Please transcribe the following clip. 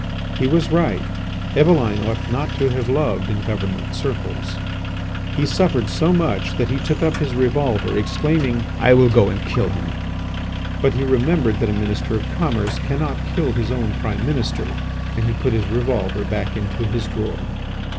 He was right—Eveline ought not to have loved in government circles. He suffered so much that he took up his revolver, exclaiming: "I will go and kill him!" But he remembered that a Minister of Commerce cannot kill his own Prime Minister, and he put his revolver back into his drawer.